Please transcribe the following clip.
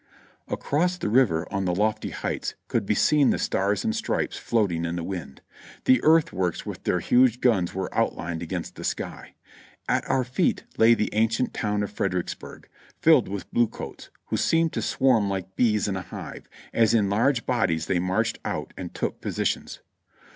Across the river on the lofty heights could be seen the Stars and Stripes floating in the wind; the earthworks with their huge guns were outlined against the sky; at our feet lay the ancient town of Fredericksburg, filled with the blue coats, who seemed to swarm like bees in a hive, as in large bodies they marched out and took positions.